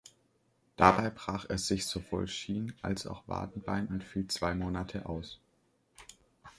Dabei brach er sich sowohl Schien- als auch Wadenbein und fiel zwei Monate aus.